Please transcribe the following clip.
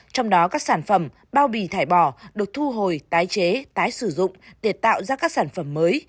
trong đó các sản phẩm bao bì thải bỏ được thu hồi tái chế tái sử dụng để tạo ra các sản phẩm mới